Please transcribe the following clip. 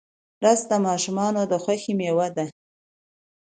رس د ماشومانو د خوښۍ میوه ده